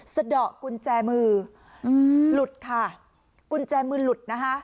สะดอกกุญแจมืออืมหลุดค่ะกุญแจมือหลุดนะคะ